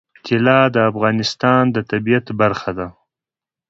طلا د افغانستان د طبیعت برخه ده.